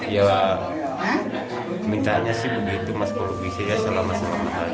ya mintaannya sih begitu mas kalau bisa ya selama selama saja